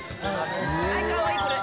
かわいいこれ。